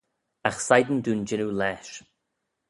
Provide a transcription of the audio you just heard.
Agh shegin dooin jannoo lesh.